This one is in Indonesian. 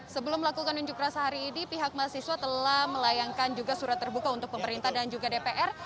sebelum melakukan unjuk rasa hari ini pihak mahasiswa telah melayangkan juga surat terbuka untuk pemerintah dan juga dpr